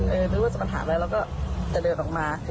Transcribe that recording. เรายากจะหัวถามอะไรจะเดินออกมา